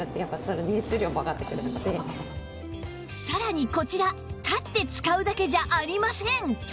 さらにこちら立って使うだけじゃありません